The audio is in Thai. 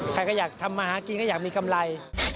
ใครก็อยากทำมาหากินก็อยากมีกำไร